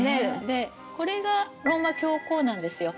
でこれがローマ教皇なんですよ。